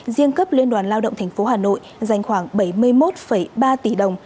riêng cấp liên đoàn lao động thành phố hà nội dành khoảng bảy mươi một ba tỷ đồng